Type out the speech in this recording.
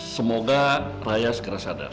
semoga raya segera sadar